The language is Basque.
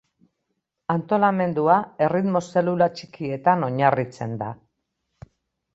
Antolamendua erritmo zelula txikietan oinarritzen da.